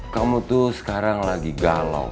kamu tuh sekarang lagi galau